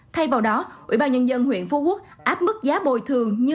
thay vào đó ủy ban nhân dân huyện phú quốc áp mức giá bồi thường như